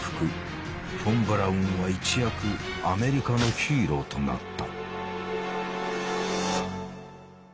フォン・ブラウンは一躍アメリカのヒーローとなった。